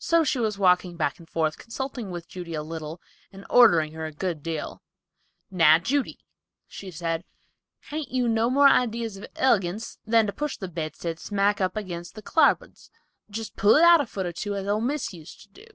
So she was walking back and forth, consulting with Judy a little and ordering her a good deal. "Now, Judy," said she, "hain't you no more idees of ilegance than to push the bedstead smack up agin the clarbuds; just pull it out a foot or two, as old Miss use to do."